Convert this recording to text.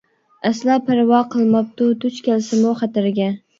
ئەسلا پەرۋا قىلماپتۇ، دۇچ كەلسىمۇ خەتەرگە.